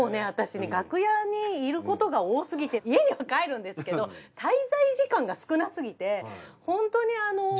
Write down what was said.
私ね楽屋にいることが多すぎて家には帰るんですけど滞在時間が少なすぎて本当にあの。